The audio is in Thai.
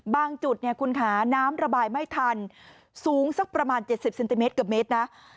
จุดเนี่ยคุณค่ะน้ำระบายไม่ทันสูงสักประมาณ๗๐เซนติเมตรเกือบเมตรนะ